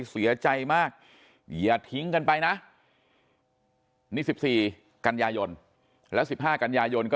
เสียใจมากอย่าทิ้งกันไปนะนี่๑๔กันยายนแล้ว๑๕กันยายนก็